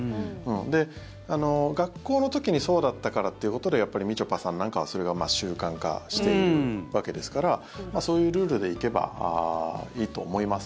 で、学校の時にそうだったからっていうことでやっぱり、みちょぱさんなんかはそれが習慣化してるわけですからそういうルールでいけばいいと思います。